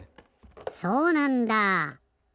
そうなんだ。